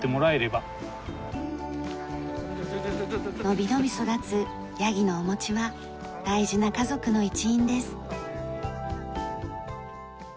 伸び伸び育つヤギのおもちは大事な家族の一員です。